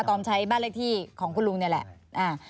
อะตอมใช้บ้านเลขที่ของคุณลุงธนาพลเนี่ยแหละ